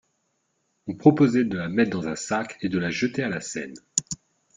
On proposait de la mettre dans un sac et de la jeter à la Seine.